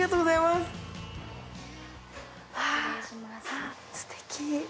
すてき！